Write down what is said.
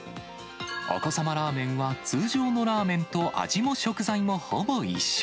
お子様ラーメンは通常のラーメンと味も食材もほぼ一緒。